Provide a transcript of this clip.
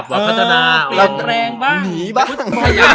เตรียมแบบแบบเงียนแบบแบ่ง